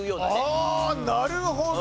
ああなるほど。